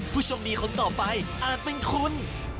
ผู้โชคดีคนต่อไปอาจเป็นคุณ